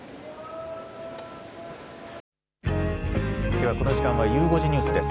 ではこの時間はゆう５時ニュースです。